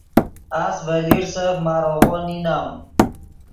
اس ڤے لیرسف ماریغو نینم